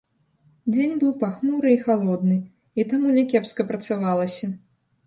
Дзень быў пахмуры і халодны, і таму някепска працавалася.